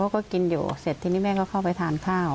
ก็กินอยู่เสร็จทีนี้แม่ก็เข้าไปทานข้าว